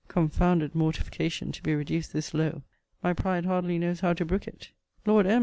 Confounded mortification to be reduced this low! My pride hardly knows how to brook it. Lord M.